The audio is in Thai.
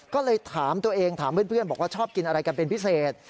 ก็เลยถามตัวเองถามเพื่อนบอกว่าชอบกินอะไรกันเป็นพิเศษ